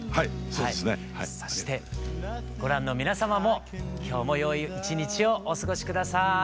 そしてご覧の皆様も今日もよい一日をお過ごし下さい。